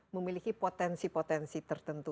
memiliki potensi potensi tertentu